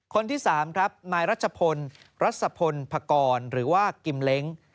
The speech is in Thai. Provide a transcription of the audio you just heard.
คนที่๓ครับนายรัชพลรัชพลพกรหรือว่ากิมเล้ง